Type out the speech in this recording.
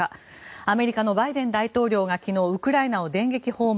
アメリカのバイデン大統領が昨日、ウクライナを電撃訪問。